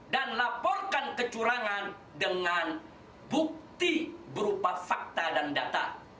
dan laporkan kecurangan dengan bukti berupa fakta dan data